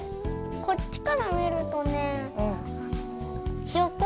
こっちからみるとねひよこ？